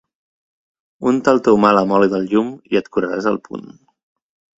Unta el teu mal amb oli del llum i et curaràs al punt.